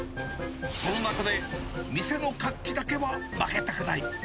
その中で店の活気だけは負けたくない。